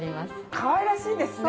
かわいらしいですね。